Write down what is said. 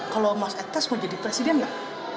kalau mas etes mau jadi presiden nggak